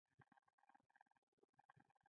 چرګان د خپل ځان پاک ساتلو هڅه کوي.